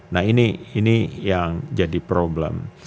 nah ini yang jadi problem